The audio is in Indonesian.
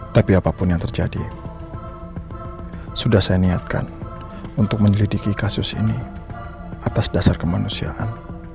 tapi apapun yang terjadi sudah saya niatkan untuk menyelidiki kasus ini atas dasar kemanusiaan